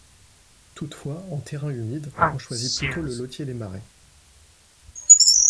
Toutefois, en terrain humide, on choisit plutôt le lotier des marais.